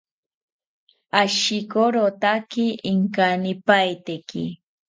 Ashikorotake inkanipaiteki